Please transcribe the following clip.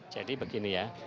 jadi begini ya